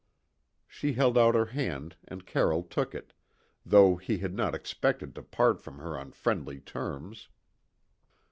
She held out her hand and Carroll took it, though he had not expected to part from her on friendly terms.